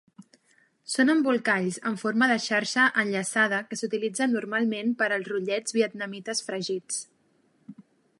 Són embolcalls amb forma de xarxa enllaçada que s'utilitzen normalment per als rotllets vietnamites fregits.